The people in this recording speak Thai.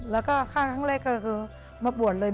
แล้วก็ฆ่าครั้งแรกก็คือมาบวชเลย